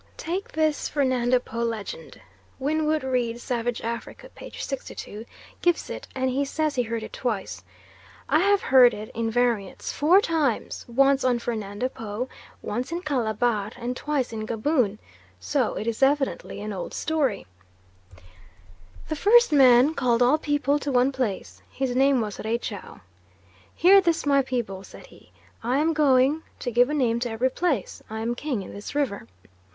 Take this Fernando Po legend. Winwood Reade (Savage Africa, p. 62) gives it, and he says he heard it twice. I have heard it, in variants, four times once on Fernando Po, once in Calabar and twice in Gaboon. So it is evidently an old story: "The first man called all people to one place. His name was Raychow. 'Hear this, my people' said he, 'I am going to give a name to every place, I am King in this River.'